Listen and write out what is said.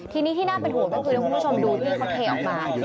ทีนี้ที่น่าเป็นห่วงก็คือเดี๋ยวคุณผู้ชมดูที่เขาเทออกมา